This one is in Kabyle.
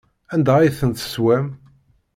Anda ay tent-teswam?